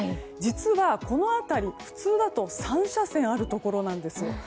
実は、この辺り普通だと３車線あるところなんです。